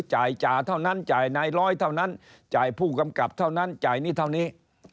จ่ายจ่าเท่านั้นจ่ายนายร้อยเท่านั้นจ่ายผู้กำกับเท่านั้นจ่ายนี้เท่านี้